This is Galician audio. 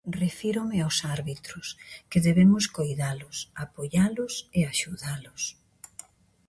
Refírome aos árbitros, que debemos coidalos, apoialos e axudalos.